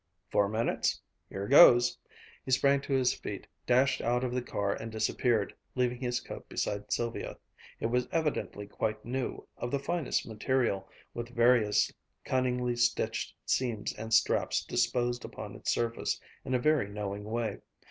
"Four minutes? here goes " He sprang to his feet, dashed out of the car and disappeared, leaving his coat beside Sylvia. It was evidently quite new, of the finest material, with various cunningly stitched seams and straps disposed upon its surface in a very knowing way.